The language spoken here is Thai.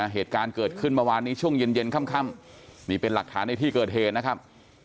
เหตุการณ์เกิดขึ้นเมื่อวานนี้ช่วงเย็นค่ำนี่เป็นหลักฐานในที่เกิดเหตุนะครับ